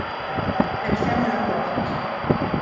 Elle ferme la porte.